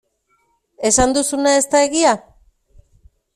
Esan duzuna ez da egia?